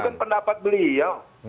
itu kan pendapat beliau